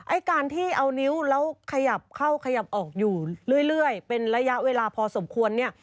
ไอ้การที่เอานิ้วแล้วขยับเข้าขยับออกอยู่เรื่อยเป็นระยะเวลาพอสมควรเนี่ย